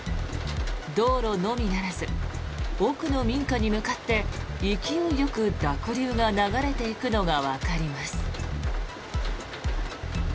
道路のみならず奥の民家に向かって勢いよく濁流が流れていくのがわかります。